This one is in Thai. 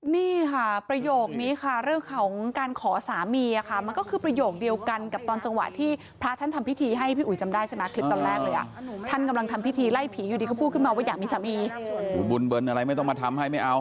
นี่ค่ะประโยคนี้ค่ะเรื่องของการขอสามีค่ะมันก็คือประโยคเดียวกันกับตอนจังหวะที่พระท่านทำพิธีให้พี่อุ๋ยจำได้ใช่ไหมคลิปตอนแรกเลยอ่ะท่านกำลังทำพิธีไล่ผีอยู่ดีก็พูดมาว่าอยากมีสามี